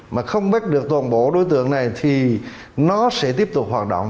mà không bắt được toàn bộ đối tượng này thì nó sẽ tiếp tục hoạt động